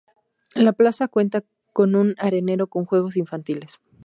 La plaza cuenta con un arenero con juegos infantiles.